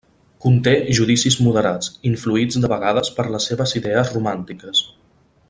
Conté judicis moderats, influïts de vegades per les seves idees romàntiques.